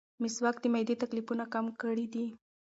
مسواک د معدې تکلیفونه کم کړي دي.